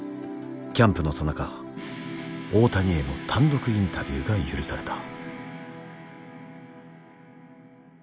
キャンプのさなか大谷への単独インタビューが許された。